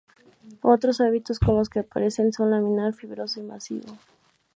Otros hábitos con los que aparece son laminar, fibroso o masivo.